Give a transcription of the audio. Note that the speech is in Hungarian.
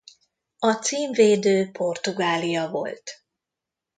A címvédő Portugália volt.